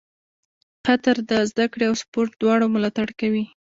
قطر د زده کړې او سپورټ دواړو ملاتړ کوي.